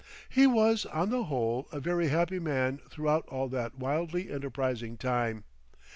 He was, on the whole, a very happy man throughout all that wildly enterprising time.